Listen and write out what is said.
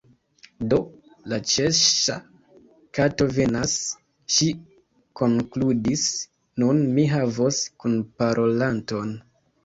"Do, la Ĉeŝŝa_ Kato venas," ŝi konkludis, "nun mi havos kunparolanton."